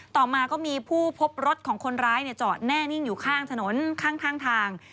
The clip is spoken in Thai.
ต่อมาก็มีผู้พบรถของคนร้ายจอดแน่นิ่งอยู่ข้างถนนข้างทาง